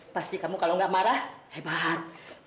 pasti kamu kalau nggak marah hebat